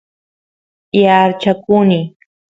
yaarchakuny